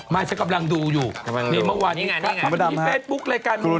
ไม่ฉันกำลังดูอยู่